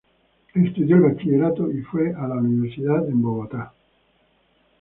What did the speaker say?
Estudió el bachillerato y fue a la universidad en Bogotá.